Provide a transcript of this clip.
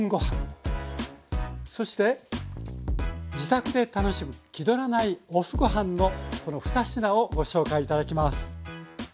そして自宅で楽しむ気取らないＯＦＦごはんのこの２品をご紹介頂きます。